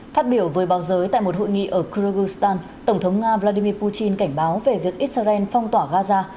phát biểu với báo giới tại một hội nghị ở kyrgyzstan tổng thống nga vladimir putin cảnh báo về việc israel phong tỏa gaza